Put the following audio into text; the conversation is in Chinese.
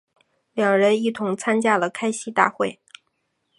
两人一同参加了开西大会。